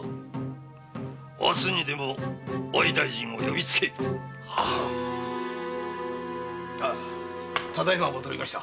明日にでも藍大尽を呼びつけいただ今戻りました。